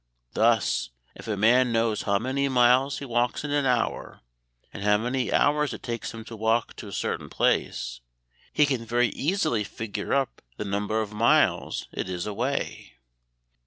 Thus, if a man knows how many miles he walks in an hour, and how many hours it takes him to walk to a certain place, he can very easily figure up the number of miles it is away."